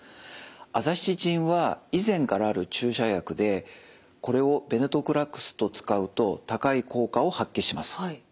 アザシチジンは以前からある注射薬でこれをベネトクラクスと使うと高い効果を発揮します。